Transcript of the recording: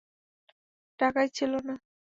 টাকাই ছিলো না।